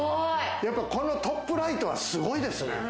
このトップライトはすごいですね。